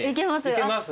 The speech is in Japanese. いけます？